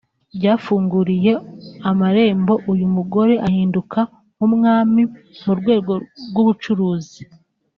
byafunguriye amarembo uyu mugore ahinduka nk’umwami mu rwego rw’ubucuruzi